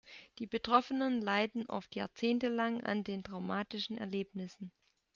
Die Betroffenen leiden oft jahrzehntelang an den traumatischen Erlebnissen.